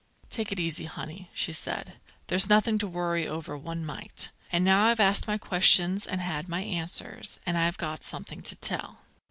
"Take it easy, honey," she said. "There's nothing to worry over one mite. And now I've asked my questions and had my answers, and I've got something to tell.